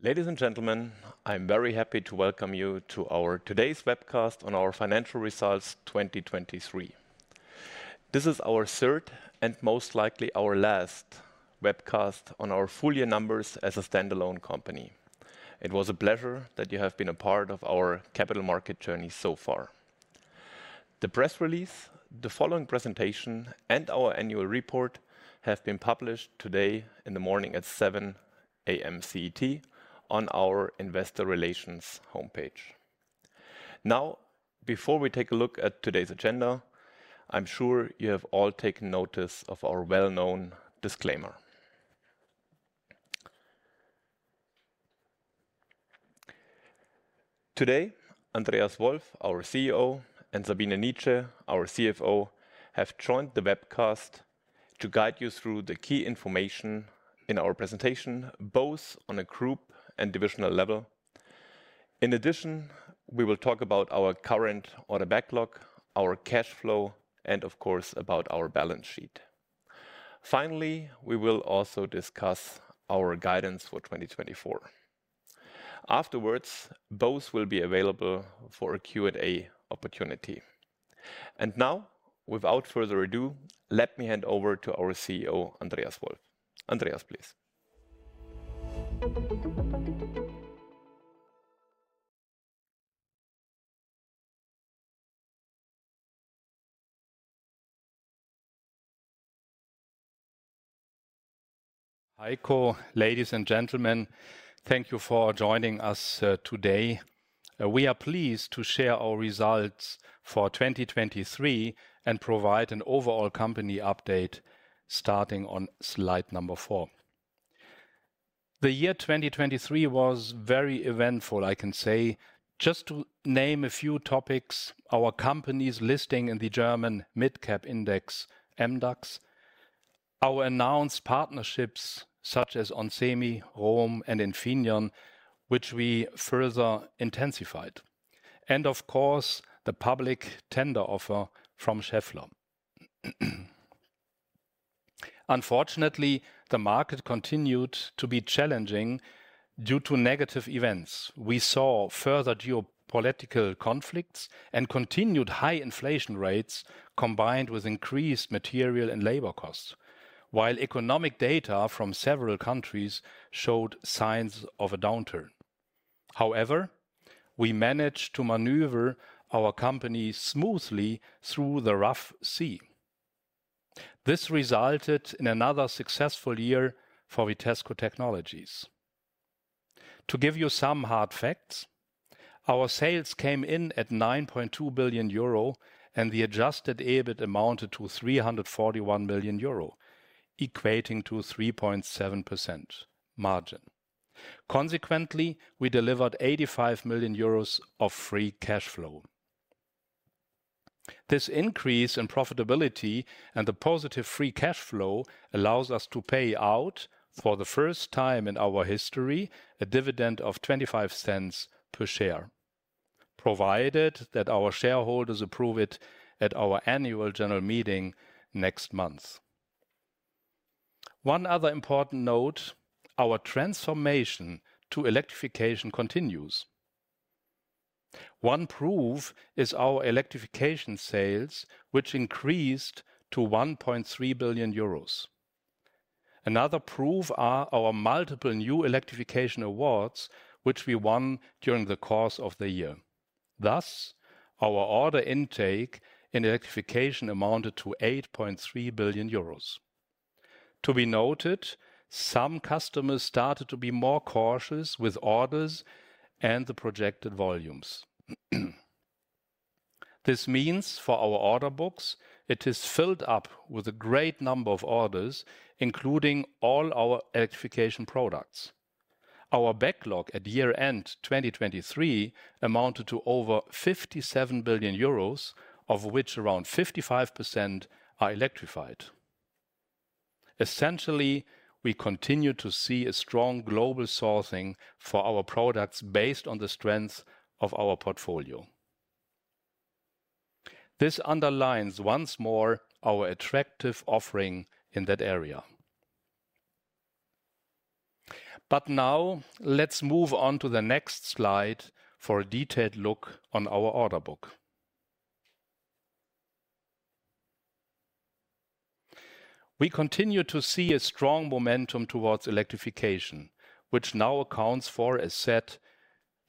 Ladies and gentlemen, I'm very happy to welcome you to our today's webcast on our financial results 2023. This is our third and most likely our last webcast on our full-year numbers as a standalone company. It was a pleasure that you have been a part of our capital market journey so far. The press release, the following presentation, and our annual report have been published today in the morning at 7:00 A.M. CET on our Investor Relations homepage. Now, before we take a look at today's agenda, I'm sure you have all taken notice of our well-known disclaimer. Today, Andreas Wolf, our CEO, and Sabine Nitzsche, our CFO, have joined the webcast to guide you through the key information in our presentation, both on a group and divisional level. In addition, we will talk about our current order backlog, our cash flow, and of course about our balance sheet. Finally, we will also discuss our guidance for 2024. Afterwards, both will be available for a Q&A opportunity. And now, without further ado, let me hand over to our CEO, Andreas Wolf. Andreas, please. Heiko, ladies and gentlemen, thank you for joining us today. We are pleased to share our results for 2023 and provide an overall company update starting on slide number four. The year 2023 was very eventful, I can say. Just to name a few topics: our company's listing in the German mid-cap index, MDAX, our announced partnerships such as onsemi, ROHM, and Infineon, which we further intensified, and of course, the public tender offer from Schaeffler. Unfortunately, the market continued to be challenging due to negative events. We saw further geopolitical conflicts and continued high inflation rates combined with increased material and labor costs, while economic data from several countries showed signs of a downturn. However, we managed to maneuver our company smoothly through the rough sea. This resulted in another successful year for Vitesco Technologies. To give you some hard facts, our sales came in at 9.2 billion euro, and the adjusted EBIT amounted to 341 million euro, equating to 3.7% margin. Consequently, we delivered 85 million euros of free cash flow. This increase in profitability and the positive free cash flow allows us to pay out, for the first time in our history, a dividend of 0.25 per share, provided that our shareholders approve it at our annual general meeting next month. One other important note: our transformation to electrification continues. One proof is our electrification sales, which increased to 1.3 billion euros. Another proof are our multiple new electrification awards, which we won during the course of the year. Thus, our order intake in electrification amounted to 8.3 billion euros. To be noted, some customers started to be more cautious with orders and the projected volumes. This means, for our order books, it is filled up with a great number of orders, including all our electrification products. Our backlog at year-end 2023 amounted to over 57 billion euros, of which around 55% are electrified. Essentially, we continue to see a strong global sourcing for our products based on the strengths of our portfolio. This underlines once more our attractive offering in that area. But now, let's move on to the next slide for a detailed look on our order book. We continue to see a strong momentum towards electrification, which now accounts for, as said,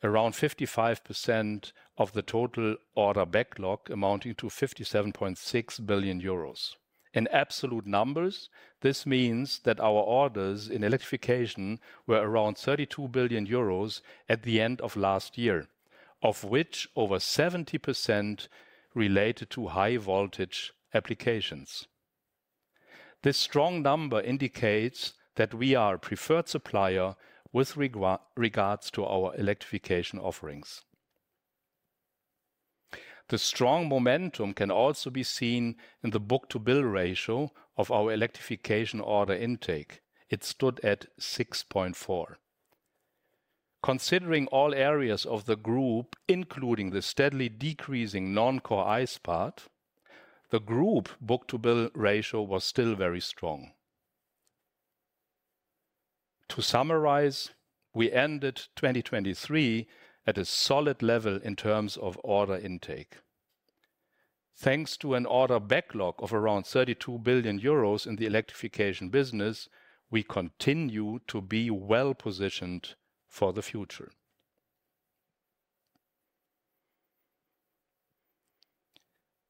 around 55% of the total order backlog amounting to 57.6 billion euros. In absolute numbers, this means that our orders in electrification were around 32 billion euros at the end of last year, of which over 70% related to high-voltage applications. This strong number indicates that we are a preferred supplier with regards to our electrification offerings. The strong momentum can also be seen in the book-to-bill ratio of our electrification order intake. It stood at 6.4. Considering all areas of the group, including the steadily decreasing non-core ICE part, the group book-to-bill ratio was still very strong. To summarize, we ended 2023 at a solid level in terms of order intake. Thanks to an order backlog of around 32 billion euros in the electrification business, we continue to be well-positioned for the future.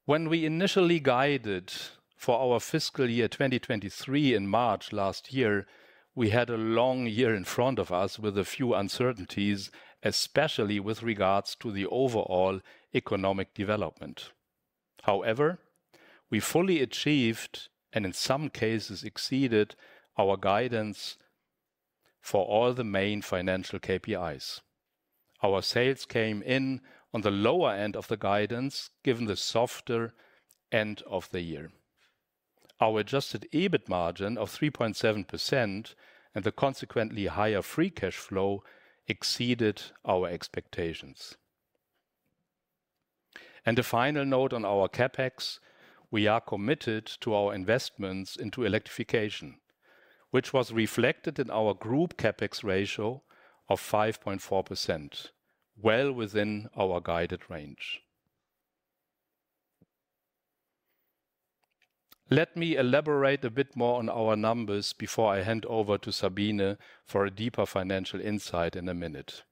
When we initially guided for our fiscal year 2023 in March last year, we had a long year in front of us with a few uncertainties, especially with regards to the overall economic development. However, we fully achieved and in some cases exceeded our guidance for all the main financial KPIs. Our sales came in on the lower end of the guidance given the softer end of the year. Our adjusted EBIT margin of 3.7% and the consequently higher free cash flow exceeded our expectations. A final note on our CapEx: we are committed to our investments into electrification, which was reflected in our group CapEx ratio of 5.4%, well within our guided range. Let me elaborate a bit more on our numbers before I hand over to Sabine for a deeper financial insight in a minute.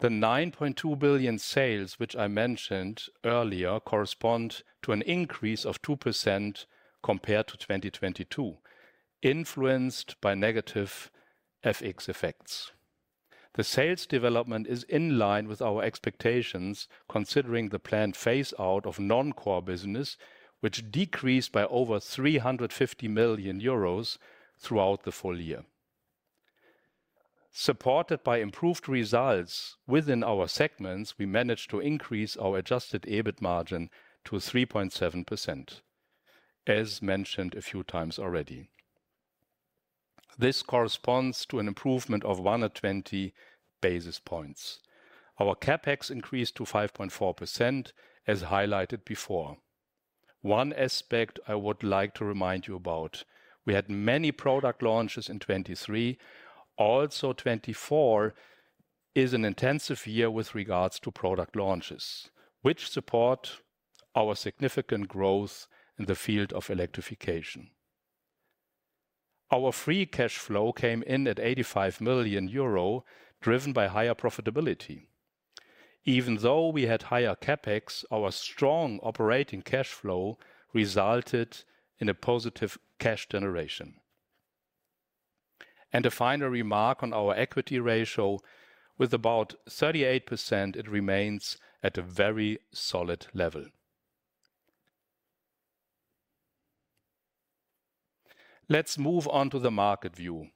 The 9.2 billion sales which I mentioned earlier correspond to an increase of 2% compared to 2022, influenced by negative FX effects. The sales development is in line with our expectations considering the planned phase-out of non-core business, which decreased by over 350 million euros throughout the full year. Supported by improved results within our segments, we managed to increase our Adjusted EBIT margin to 3.7%, as mentioned a few times already. This corresponds to an improvement of 120 basis points. Our CapEx increased to 5.4%, as highlighted before. One aspect I would like to remind you about: we had many product launches in 2023. Also, 2024 is an intensive year with regards to product launches, which support our significant growth in the field of electrification. Our free cash flow came in at 85 million euro, driven by higher profitability. Even though we had higher CapEx, our strong operating cash flow resulted in a positive cash generation. A final remark on our equity ratio: with about 38%, it remains at a very solid level. Let's move on to the market view.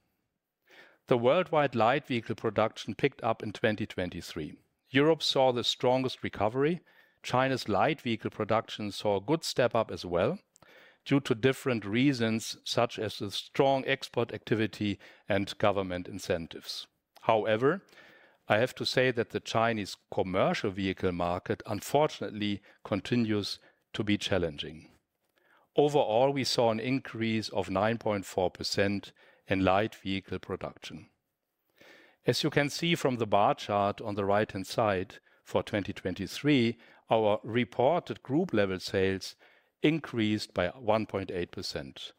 The worldwide light vehicle production picked up in 2023. Europe saw the strongest recovery. China's light vehicle production saw a good step up as well due to different reasons such as the strong export activity and government incentives. However, I have to say that the Chinese commercial vehicle market, unfortunately, continues to be challenging. Overall, we saw an increase of 9.4% in light vehicle production. As you can see from the bar chart on the right-hand side for 2023, our reported group-level sales increased by 1.8%.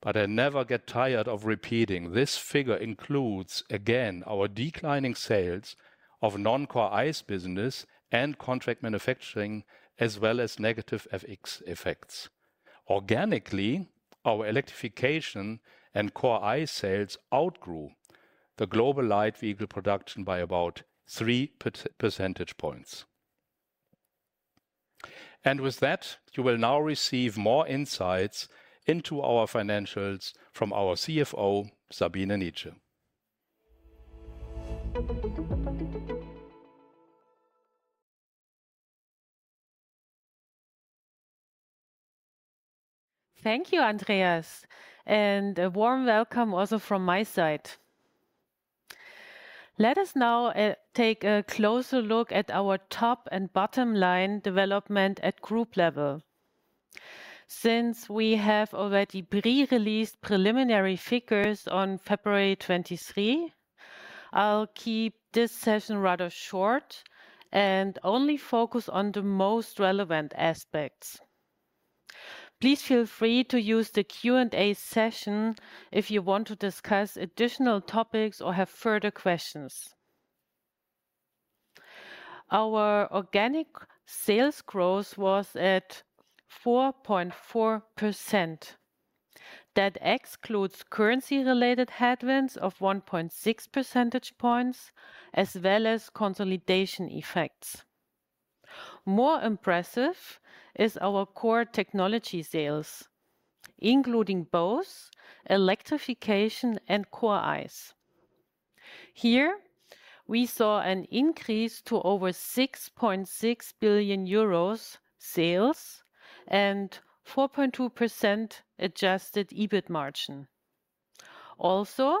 But I never get tired of repeating: this figure includes, again, our declining sales of non-core ICE business and contract manufacturing, as well as negative FX effects. Organically, our electrification and core ICE sales outgrew the global light vehicle production by about three percentage points. With that, you will now receive more insights into our financials from our CFO, Sabine Nitzsche. Thank you, Andreas. A warm welcome also from my side. Let us now take a closer look at our top- and bottom-line development at group level. Since we have already pre-released preliminary figures on February 2023, I'll keep this session rather short and only focus on the most relevant aspects. Please feel free to use the Q&A session if you want to discuss additional topics or have further questions. Our organic sales growth was at 4.4%. That excludes currency-related headwinds of 1.6 percentage points, as well as consolidation effects. More impressive is our core technology sales, including both electrification and core ICE. Here, we saw an increase to over 6.6 billion euros sales and 4.2% adjusted EBIT margin. Also,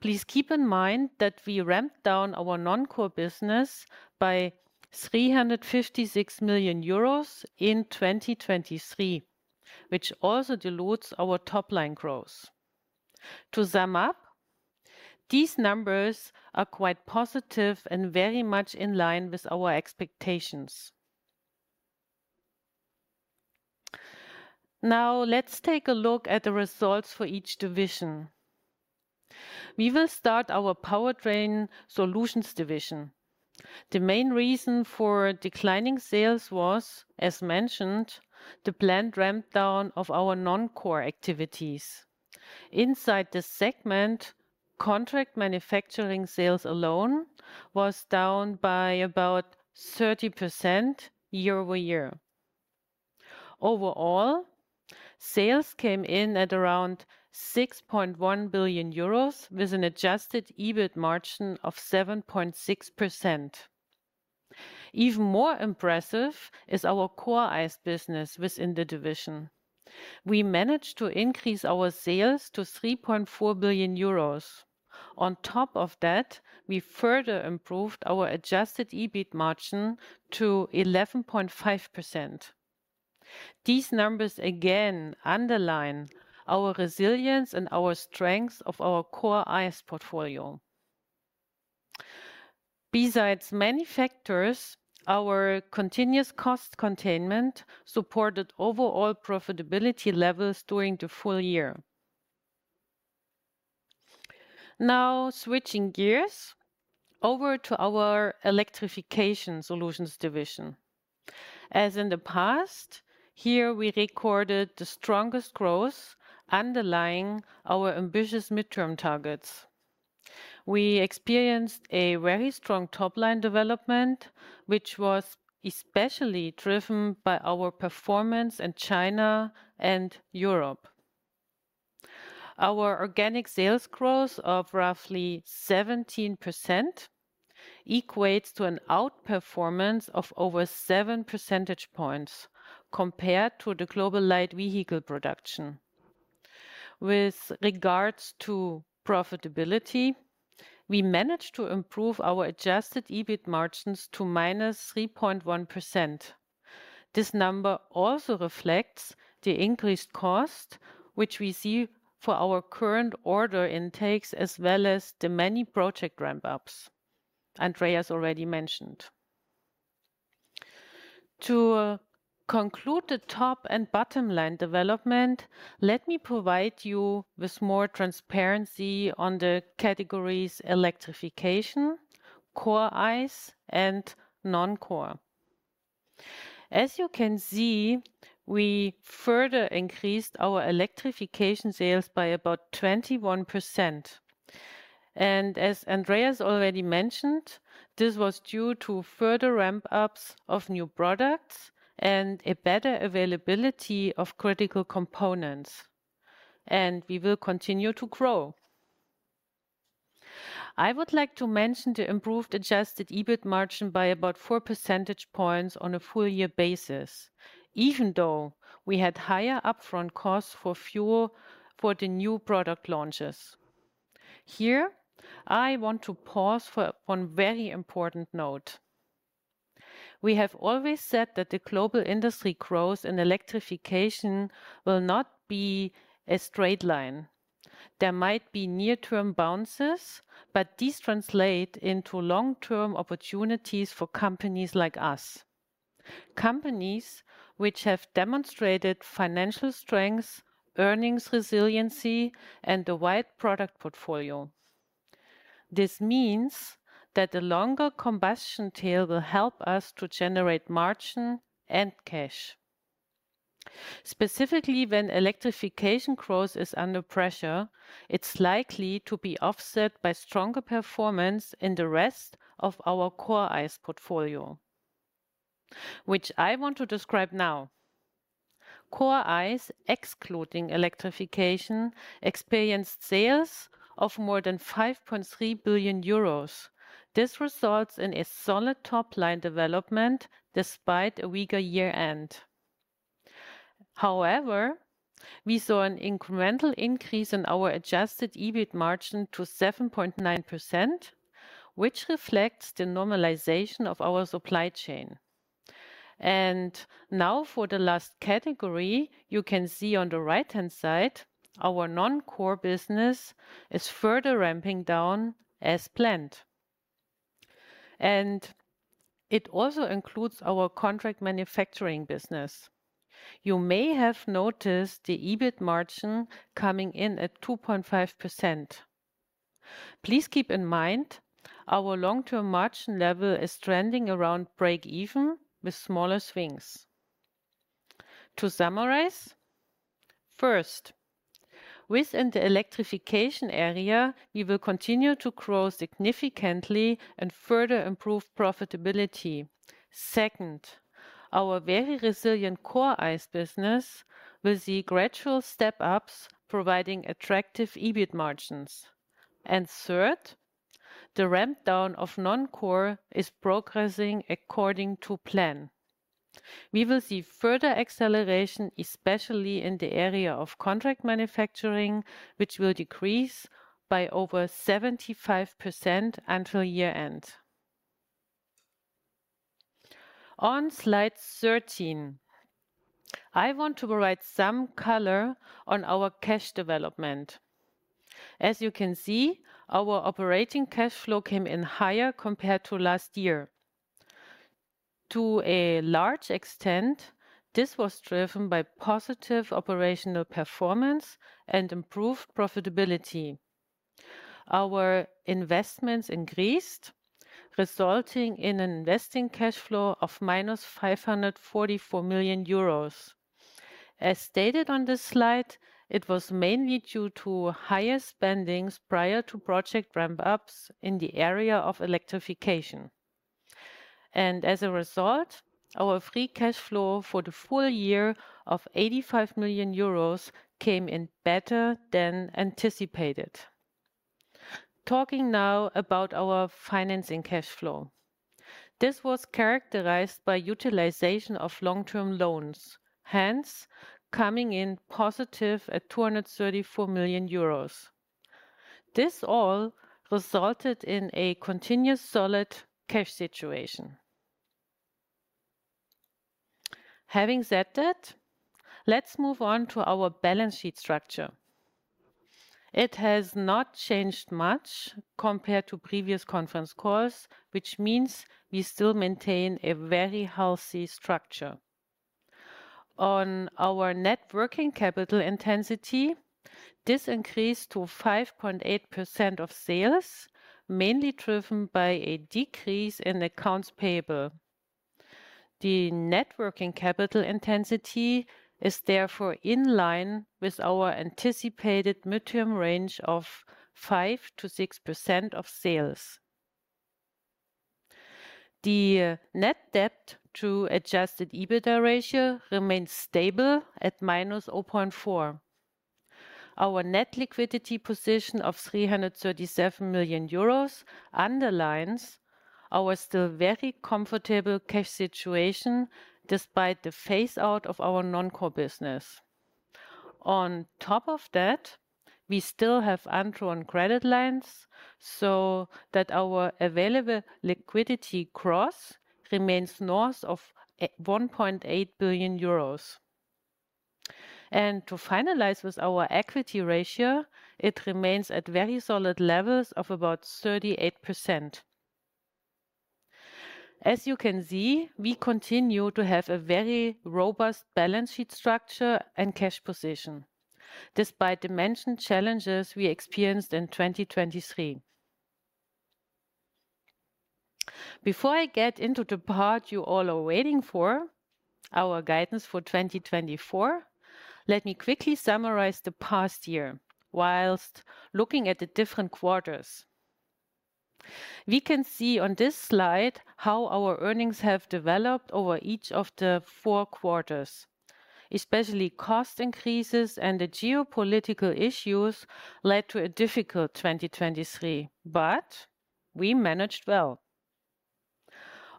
please keep in mind that we ramped down our non-core business by 356 million euros in 2023, which also dilutes our top-line growth. To sum up, these numbers are quite positive and very much in line with our expectations. Now, let's take a look at the results for each division. We will start our Powertrain Solutions division. The main reason for declining sales was, as mentioned, the planned rampdown of our non-core activities. Inside this segment, contract manufacturing sales alone was down by about 30% year-over-year. Overall, sales came in at around 6.1 billion euros with an adjusted EBIT margin of 7.6%. Even more impressive is our Core ICE business within the division. We managed to increase our sales to 3.4 billion euros. On top of that, we further improved our adjusted EBIT margin to 11.5%. These numbers, again, underline our resilience and our strengths of our Core ICE portfolio. Besides many factors, our continuous cost containment supported overall profitability levels during the full year. Now, switching gears over to our Electrification Solutions division. As in the past, here we recorded the strongest growth underlying our ambitious midterm targets. We experienced a very strong top-line development, which was especially driven by our performance in China and Europe. Our organic sales growth of roughly 17% equates to an outperformance of over 7 percentage points compared to the global light vehicle production. With regards to profitability, we managed to improve our adjusted EBIT margins to minus 3.1%. This number also reflects the increased cost, which we see for our current order intakes as well as the many project ramp-ups Andreas already mentioned. To conclude the top and bottom-line development, let me provide you with more transparency on the categories Electrification, Core ICE, and non-core. As you can see, we further increased our electrification sales by about 21%. As Andreas already mentioned, this was due to further ramp-ups of new products and a better availability of critical components. We will continue to grow. I would like to mention the improved Adjusted EBIT margin by about four percentage points on a full-year basis, even though we had higher upfront costs for fuel for the new product launches. Here, I want to pause for one very important note. We have always said that the global industry growth in electrification will not be a straight line. There might be near-term bounces, but these translate into long-term opportunities for companies like us, companies which have demonstrated financial strength, earnings resiliency, and a wide product portfolio. This means that a longer combustion tail will help us to generate margin and cash. Specifically, when electrification growth is under pressure, it's likely to be offset by stronger performance in the rest of our core ICE portfolio, which I want to describe now. Core ICE, excluding electrification, experienced sales of more than 5.3 billion euros. This results in a solid top-line development despite a weaker year-end. However, we saw an incremental increase in our adjusted EBIT margin to 7.9%, which reflects the normalization of our supply chain. And now, for the last category, you can see on the right-hand side, our non-core business is further ramping down as planned. And it also includes our contract manufacturing business. You may have noticed the EBIT margin coming in at 2.5%. Please keep in mind our long-term margin level is trending around break-even with smaller swings. To summarize, first, within the electrification area, we will continue to grow significantly and further improve profitability. Second, our very resilient core ICE business will see gradual step-ups providing attractive EBIT margins. Third, the rampdown of non-core is progressing according to plan. We will see further acceleration, especially in the area of contract manufacturing, which will decrease by over 75% until year-end. On slide 13, I want to provide some color on our cash development. As you can see, our operating cash flow came in higher compared to last year. To a large extent, this was driven by positive operational performance and improved profitability. Our investments increased, resulting in an investing cash flow of -544 million euros. As stated on this slide, it was mainly due to higher spending prior to project ramp-ups in the area of electrification. As a result, our free cash flow for the full year of 85 million euros came in better than anticipated. Talking now about our financing cash flow. This was characterized by utilization of long-term loans, hence coming in positive at 234 million euros. This all resulted in a continuous solid cash situation. Having said that, let's move on to our balance sheet structure. It has not changed much compared to previous conference calls, which means we still maintain a very healthy structure. On our net working capital intensity, this increased to 5.8% of sales, mainly driven by a decrease in accounts payable. The net working capital intensity is therefore in line with our anticipated midterm range of 5%-6% of sales. The net debt to Adjusted EBITDA ratio remains stable at -0.4. Our net liquidity position of 337 million euros underlines our still very comfortable cash situation despite the phase-out of our non-core business. On top of that, we still have unused credit lines so that our available liquidity cushion remains north of 1.8 billion euros. To finalize with our equity ratio, it remains at very solid levels of about 38%. As you can see, we continue to have a very robust balance sheet structure and cash position despite the mentioned challenges we experienced in 2023. Before I get into the part you all are waiting for, our guidance for 2024, let me quickly summarize the past year while looking at the different quarters. We can see on this slide how our earnings have developed over each of the four quarters, especially cost increases and the geopolitical issues led to a difficult 2023, but we managed well.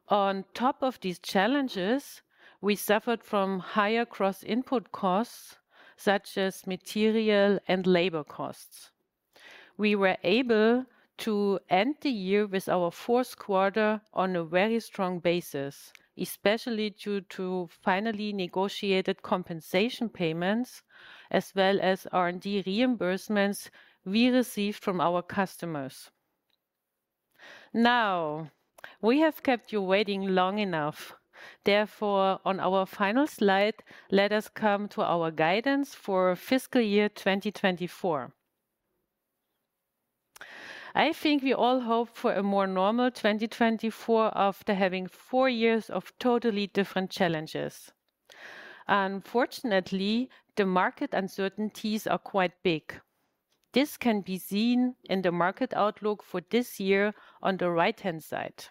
On top of these challenges, we suffered from higher input costs such as material and labor costs. We were able to end the year with our Q4 on a very strong basis, especially due to finally negotiated compensation payments as well as R&D reimbursements we received from our customers. Now, we have kept you waiting long enough. Therefore, on our final slide, let us come to our guidance for fiscal year 2024. I think we all hope for a more normal 2024 after having four years of totally different challenges. Unfortunately, the market uncertainties are quite big. This can be seen in the market outlook for this year on the right-hand side.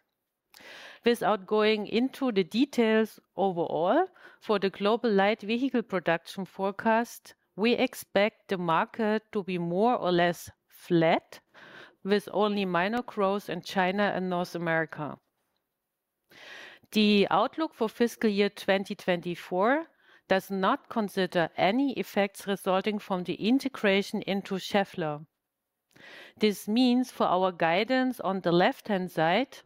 Without going into the details overall, for the global light vehicle production forecast, we expect the market to be more or less flat with only minor growth in China and North America. The outlook for fiscal year 2024 does not consider any effects resulting from the integration into Schaeffler. This means for our guidance on the left-hand side,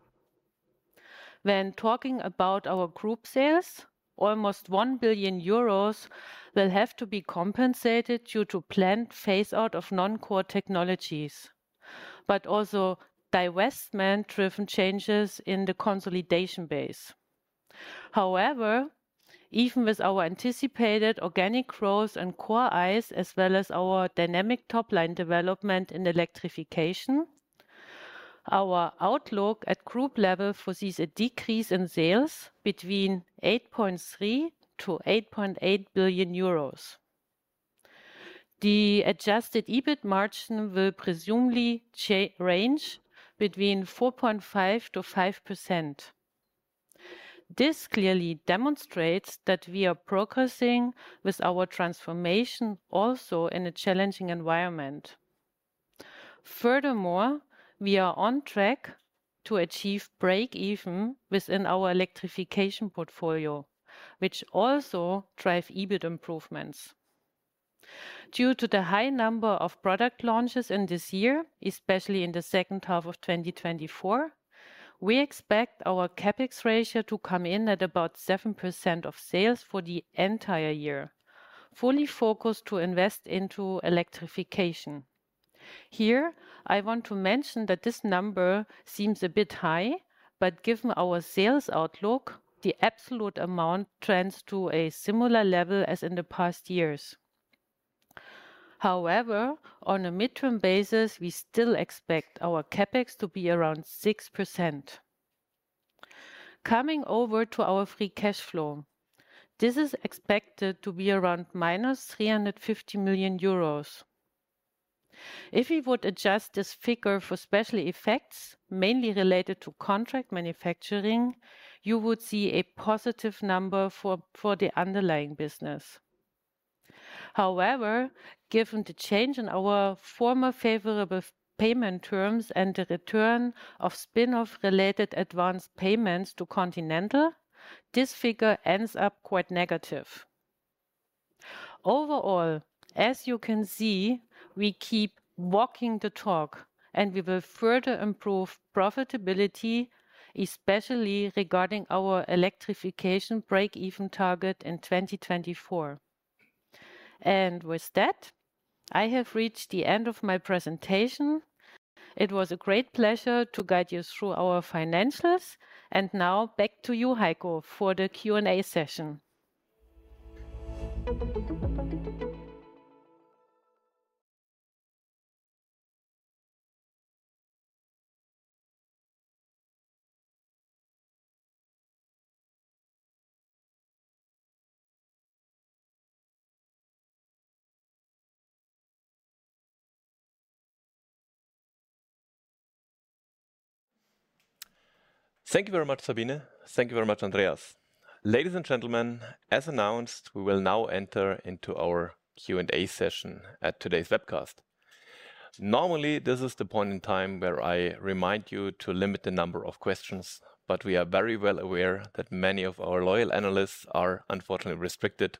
when talking about our group sales, almost 1 billion euros will have to be compensated due to planned phase-out of non-core technologies, but also divestment-driven changes in the consolidation base. However, even with our anticipated organic growth and core ICE as well as our dynamic top-line development in electrification, our outlook at group level foresees a decrease in sales between 8.3 billion-8.8 billion euros. The adjusted EBIT margin will presumably range between 4.5%-5%. This clearly demonstrates that we are progressing with our transformation also in a challenging environment. Furthermore, we are on track to achieve break-even within our electrification portfolio, which also drives EBIT improvements. Due to the high number of product launches in this year, especially in the second half of 2024, we expect our CapEx ratio to come in at about 7% of sales for the entire year, fully focused to invest into electrification. Here, I want to mention that this number seems a bit high, but given our sales outlook, the absolute amount trends to a similar level as in the past years. However, on a midterm basis, we still expect our CapEx to be around 6%. Coming over to our free cash flow. This is expected to be around -350 million euros. If we would adjust this figure for special effects, mainly related to contract manufacturing, you would see a positive number for the underlying business. However, given the change in our former favorable payment terms and the return of spinoff-related advanced payments to Continental, this figure ends up quite negative. Overall, as you can see, we keep walking the talk, and we will further improve profitability, especially regarding our electrification break-even target in 2024. With that, I have reached the end of my presentation. It was a great pleasure to guide you through our financials. Now back to you, Heiko, for the Q&A session. Thank you very much, Sabine. Thank you very much, Andreas. Ladies and gentlemen, as announced, we will now enter into our Q&A session at today's webcast. Normally, this is the point in time where I remind you to limit the number of questions, but we are very well aware that many of our loyal analysts are unfortunately restricted,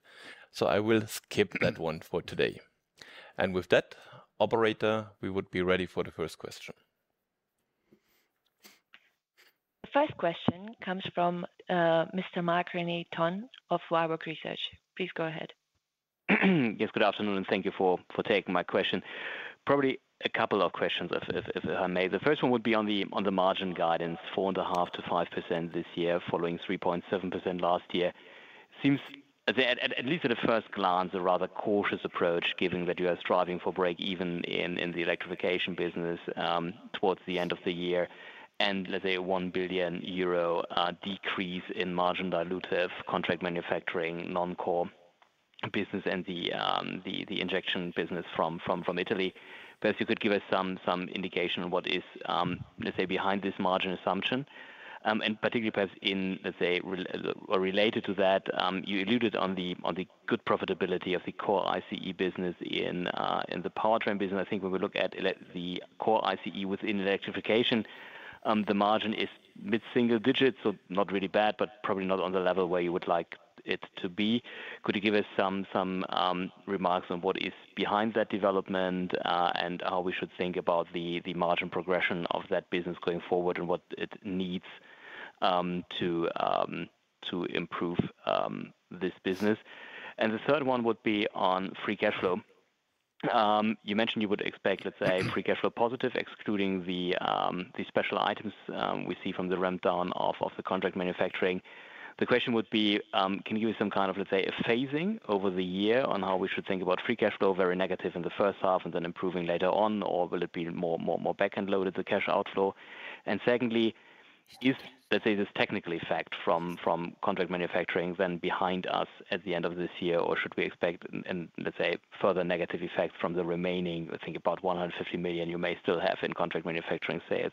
so I will skip that one for today. And with that, operator, we would be ready for the first question. The first question comes from Mr. Marc-René Tonn of Warburg Research. Please go ahead. Yes, good afternoon, and thank you for taking my question. Probably a couple of questions, if I may. The first one would be on the margin guidance, 4.5%-5% this year following 3.7% last year. Seems, at least at a first glance, a rather cautious approach given that you are striving for break-even in the electrification business towards the end of the year and, let's say, a 1 billion euro decrease in margin dilutive contract manufacturing, non-core business, and the injection business from Italy. Perhaps you could give us some indication on what is, let's say, behind this margin assumption. Particularly, perhaps in, let's say, or related to that, you alluded on the good profitability of the core ICE business in the powertrain business. I think when we look at the core ICE within electrification, the margin is mid-single digit, so not really bad, but probably not on the level where you would like it to be. Could you give us some remarks on what is behind that development and how we should think about the margin progression of that business going forward and what it needs to improve this business? And the third one would be on free cash flow. You mentioned you would expect, let's say, free cash flow positive, excluding the special items we see from the rampdown of the contract manufacturing. The question would be, can you give me some kind of, let's say, a phasing over the year on how we should think about free cash flow, very negative in the first half and then improving later on, or will it be more back-end loaded, the cash outflow? And secondly, is, let's say, this technical effect from contract manufacturing then behind us at the end of this year, or should we expect, let's say, further negative effects from the remaining, I think, about 150 million you may still have in contract manufacturing sales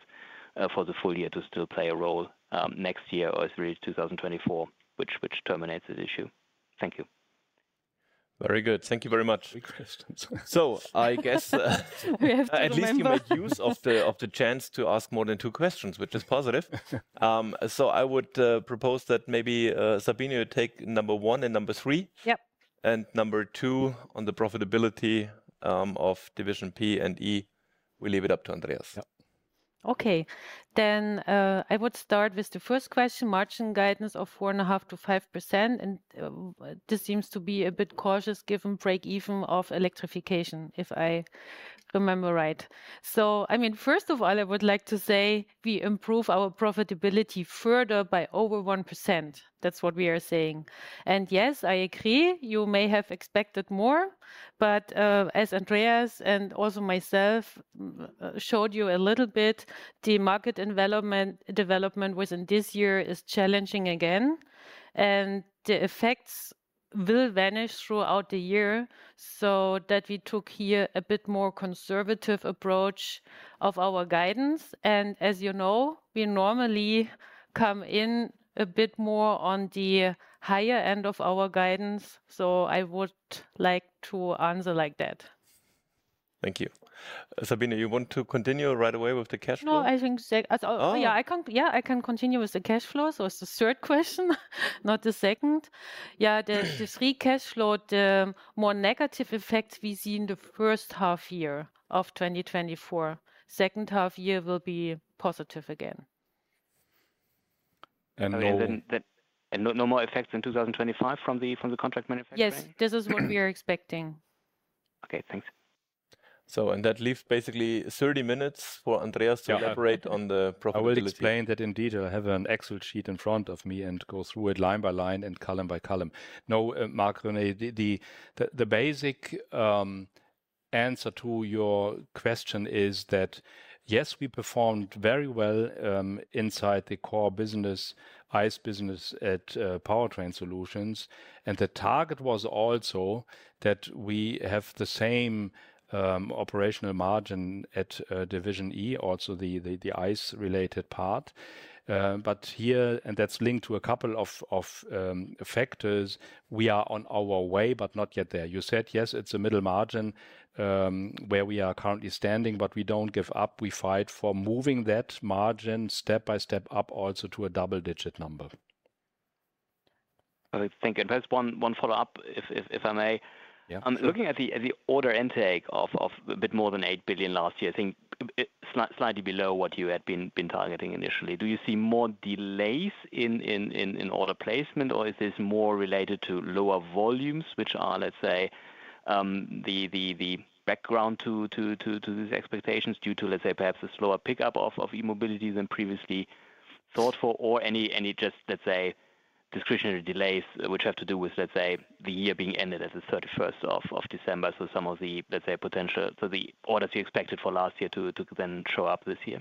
for the full year to still play a role next year or as early as 2024, which terminates this issue? Thank you. Very good. Thank you very much. Quick questions. So I guess at least you made use of the chance to ask more than two questions, which is positive. So I would propose that maybe Sabine, you take number 1 and number 3. And number 2 on the profitability of division P and E, we leave it up to Andreas. Yeah. Okay. Then I would start with the first question, margin guidance of 4.5%-5%. And this seems to be a bit cautious given break-even of electrification, if I remember right. So I mean, first of all, I would like to say we improve our profitability further by over 1%. That's what we are saying. And yes, I agree, you may have expected more. But as Andreas and also myself showed you a little bit, the market development within this year is challenging again. And the effects will vanish throughout the year so that we took here a bit more conservative approach of our guidance. And as you know, we normally come in a bit more on the higher end of our guidance. So I would like to answer like that. Thank you. Sabine, you want to continue right away with the cash flow? No, I think yeah, I can continue with the cash flow. So it's the third question, not the second. Yeah, the free cash flow, the more negative effects we see in the first half year of 2024. Second half year will be positive again. And no more effects in 2025 from the contract manufacturing? Yes, this is what we are expecting. Okay, thanks. So and that leaves basically 30 minutes for Andreas to elaborate on the profitability. I will explain that indeed. I have an Excel sheet in front of me and go through it line by line and column by column. No, Marc-René Tonn, the basic answer to your question is that yes, we performed very well inside the core business, ICE business at Powertrain Solutions. And the target was also that we have the same operational margin at division E, also the ICE-related part. But here, and that's linked to a couple of factors, we are on our way, but not yet there. You said, yes, it's a middle margin where we are currently standing, but we don't give up. We fight for moving that margin step by step up also to a double-digit number. I think. And perhaps one follow-up, if I may. Looking at the order intake of a bit more than 8 billion last year, I think slightly below what you had been targeting initially, do you see more delays in order placement, or is this more related to lower volumes, which are, let's say, the background to these expectations due to, let's say, perhaps a slower pickup of e-mobility than previously thought for, or any just, let's say, discretionary delays which have to do with, let's say, the year being ended as the 31st of December? So some of the, let's say, potential so the orders you expected for last year to then show up this year?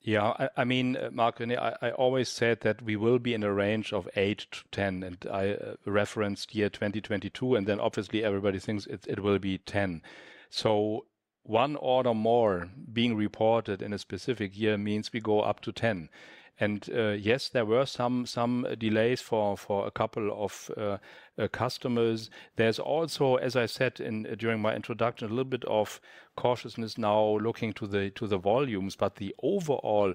Yeah. I mean, Marc-René, I always said that we will be in a range of 8 billion-10 billion. And I referenced year 2022, and then obviously everybody thinks it will be 10. So one order more being reported in a specific year means we go up to 10. And yes, there were some delays for a couple of customers. There's also, as I said during my introduction, a little bit of cautiousness now looking to the volumes, but the overall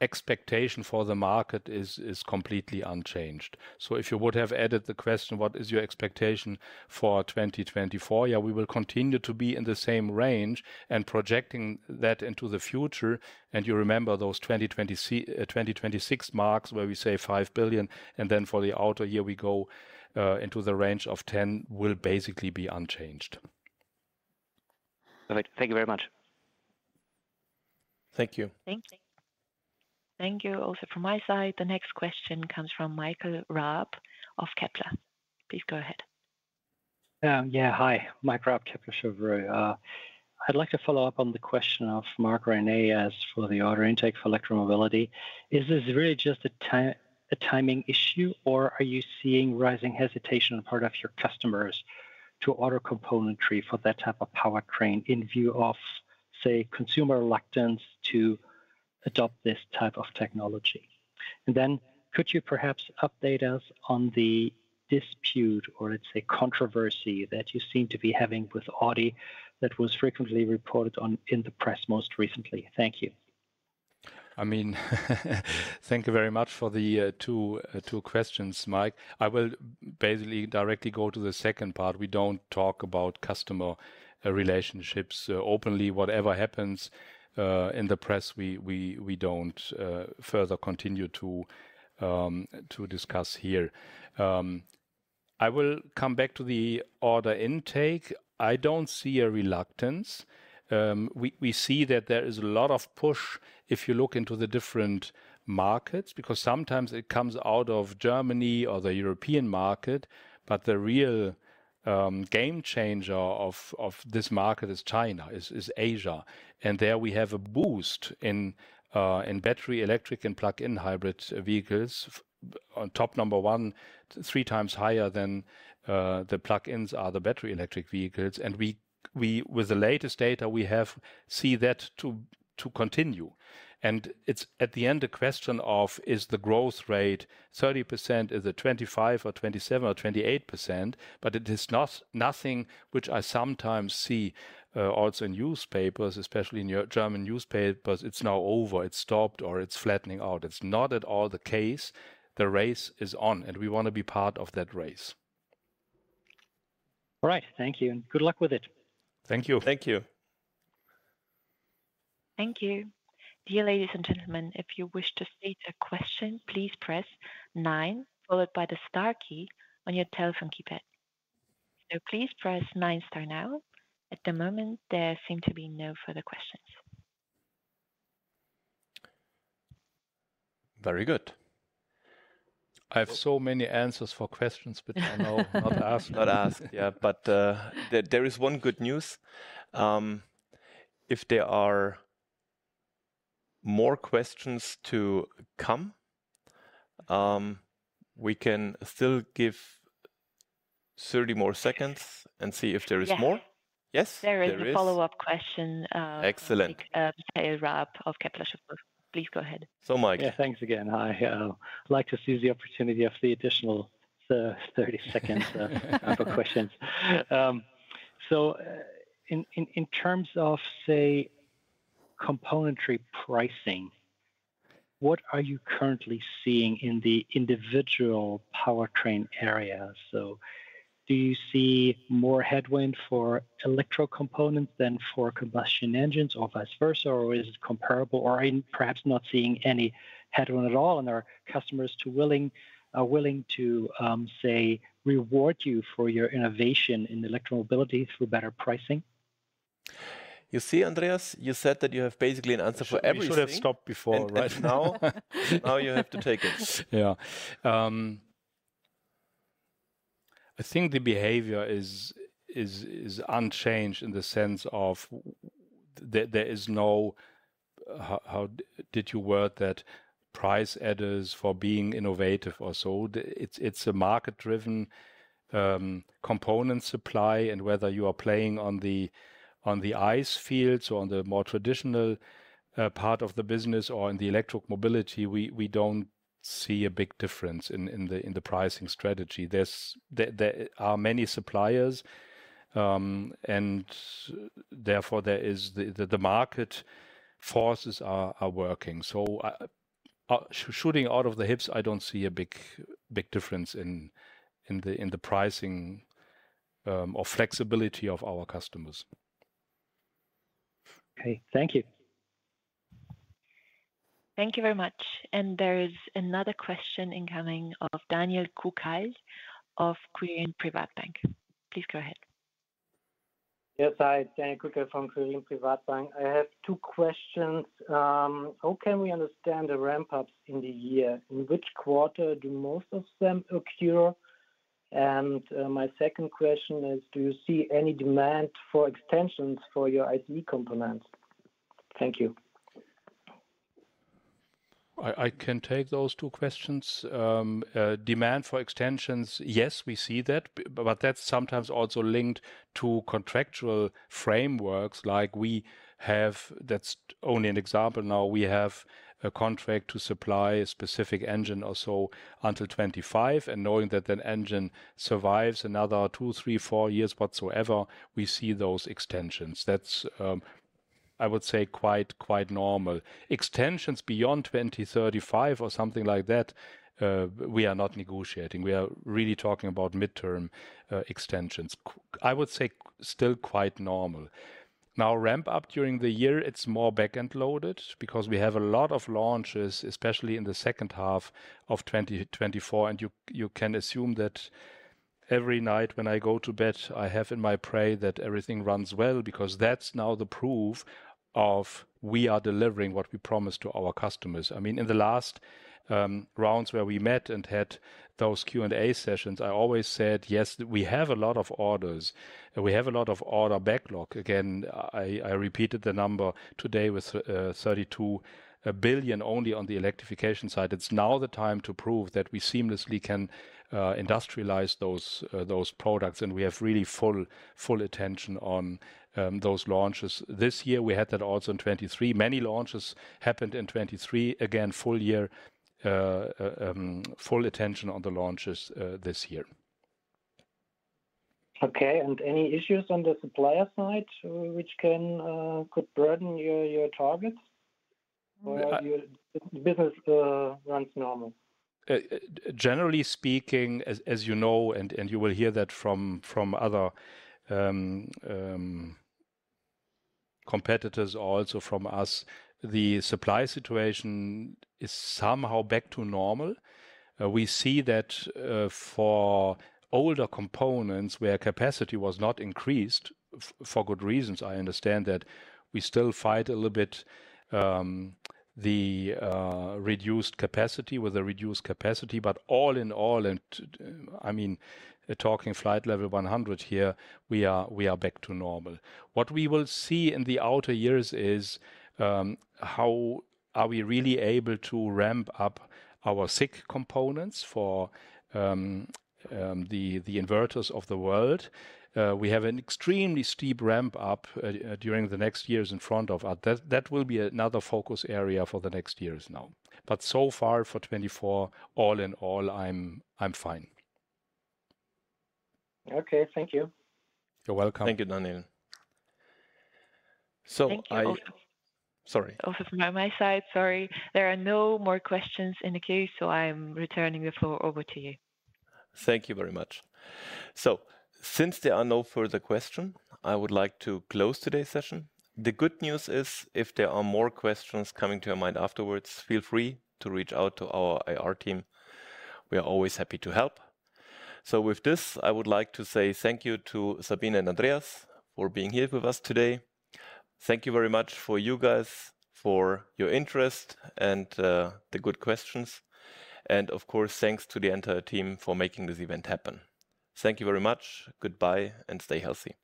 expectation for the market is completely unchanged. So if you would have added the question, what is your expectation for 2024? Yeah, we will continue to be in the same range and projecting that into the future. And you remember those 2026 marks where we say 5 billion, and then for the outer year we go into the range of 10 billion will basically be unchanged. Perfect. Thank you very much. Thank you. Thank you. Thank you. Also from my side, the next question comes from Michael Raab of Kepler Cheuvreux. Please go ahead. Yeah, hi. Mike Raab, Kepler Cheuvreux. I'd like to follow up on the question of Marc-René as for the order intake for electromobility. Is this really just a timing issue, or are you seeing rising hesitation on part of your customers to order componentry for that type of powertrain in view of, say, consumer reluctance to adopt this type of technology? And then could you perhaps update us on the dispute or, let's say, controversy that you seem to be having with Audi that was frequently reported in the press most recently? Thank you. I mean, thank you very much for the two questions, Mike. I will basically directly go to the second part. We don't talk about customer relationships openly. Whatever happens in the press, we don't further continue to discuss here. I will come back to the order intake. I don't see a reluctance. We see that there is a lot of push if you look into the different markets because sometimes it comes out of Germany or the European market, but the real game changer of this market is China, is Asia. And there we have a boost in battery electric and plug-in hybrid vehicles. Top number 1, 3 times higher than the plug-ins are the battery electric vehicles. And with the latest data, we see that to continue. And it's at the end a question of, is the growth rate 30%, is it 25% or 27% or 28%? But it is nothing which I sometimes see also in newspapers, especially in German newspapers. It's now over. It's stopped or it's flattening out. It's not at all the case. The race is on, and we want to be part of that race. All right. Thank you. And good luck with it. Thank you. Thank you. Thank you. Dear ladies and gentlemen, if you wish to state a question, please press 9 followed by the star key on your telephone keypad. So please press 9 star now. At the moment, there seem to be no further questions. Very good. I have so many answers for questions, but I know not ask. Not ask. Yeah. But there is one good news. If there are more questions to come, we can still give 30 more seconds and see if there is more. Yes? There is a follow-up question. Excellent. Michael Raab of Kepler Cheuvreux. Please go ahead. So, Mike. Yeah, thanks again. Hi. I'd like to seize the opportunity of the additional 30 seconds for questions. So in terms of, say, componentry pricing, what are you currently seeing in the individual powertrain areas? So do you see more headwind for electro components than for combustion engines or vice versa, or is it comparable, or are you perhaps not seeing any headwind at all, and are customers willing to, say, reward you for your innovation in electromobility through better pricing? You see, Andreas, you said that you have basically an answer for everything. You should have stopped before. Right now, you have to take it. Yeah. I think the behavior is unchanged in the sense of there is no—how did you word that?—price adders for being innovative or so. It's a market-driven component supply. And whether you are playing on the ICE field, so on the more traditional part of the business, or in the electric mobility, we don't see a big difference in the pricing strategy. There are many suppliers, and therefore the market forces are working. So shooting out of the hips, I don't see a big difference in the pricing or flexibility of our customers. Okay. Thank you. Thank you very much. And there is another question incoming of Daniel Kukalj of Quirin Privatbank. Please go ahead. Yes, hi. Daniel Kukalj from Quirin Privatbank. I have two questions. How can we understand the ramp-ups in the year? In which quarter do most of them occur? And my second question is, do you see any demand for extensions for your ICE components? Thank you. I can take those two questions. Demand for extensions, yes, we see that. But that's sometimes also linked to contractual frameworks. Like we have that's only an example now. We have a contract to supply a specific engine or so until 2025. And knowing that that engine survives another two, three, four years whatsoever, we see those extensions. That's, I would say, quite normal. Extensions beyond 2035 or something like that, we are not negotiating. We are really talking about midterm extensions. I would say still quite normal. Now, ramp-up during the year, it's more back-end loaded because we have a lot of launches, especially in the second half of 2024. And you can assume that every night when I go to bed, I have in my prayer that everything runs well because that's now the proof of we are delivering what we promised to our customers. I mean, in the last rounds where we met and had those Q&A sessions, I always said, "Yes, we have a lot of orders. We have a lot of order backlog." Again, I repeated the number today with 32 billion only on the electrification side. It's now the time to prove that we seamlessly can industrialize those products, and we have really full attention on those launches. This year, we had that also in 2023. Many launches happened in 2023. Again, full year, full attention on the launches this year. Okay. And any issues on the supplier side which could burden your targets? Or the business runs normal? Generally speaking, as you know, and you will hear that from other competitors or also from us, the supply situation is somehow back to normal. We see that for older components where capacity was not increased for good reasons, I understand that we still fight a little bit the reduced capacity with a reduced capacity. But all in all, and I mean, talking flight level 100 here, we are back to normal. What we will see in the outer years is how are we really able to ramp up our SiC components for the inverters of the world? We have an extremely steep ramp-up during the next years in front of us. That will be another focus area for the next years now. But so far for 2024, all in all, I'm fine. Okay. Thank you. You're welcome. Thank you, Daniel. So I -- Thank you. Sorry. Also from my side, sorry. There are no more questions in the case, so I'm returning the floor over to you. Thank you very much. So since there are no further questions, I would like to close today's session. The good news is if there are more questions coming to your mind afterwards, feel free to reach out to our AR team. We are always happy to help. With this, I would like to say thank you to Sabine and Andreas for being here with us today. Thank you very much for you guys for your interest and the good questions. Of course, thanks to the entire team for making this event happen. Thank you very much. Goodbye, and stay healthy.